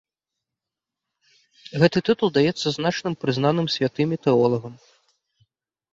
Гэты тытул даецца значным, прызнаным святымі, тэолагам.